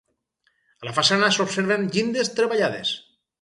A la façana s'observen llindes treballades.